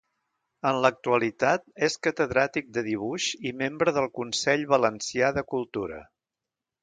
En l'actualitat és Catedràtic de Dibuix i membre del Consell Valencià de Cultura.